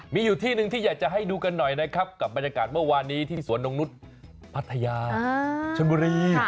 มีอยู่ที่หนึ่งที่อยากจะให้ดูกันหน่อยนะครับกับบรรยากาศเมื่อวานนี้ที่สวนนงนุษย์พัทยาชนบุรี